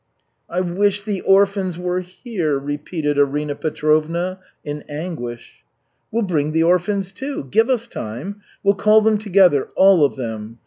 "I wish the orphans were here," repeated Arina Petrovna in anguish. "We'll bring the orphans, too. Give us time. We'll call them together, all of them.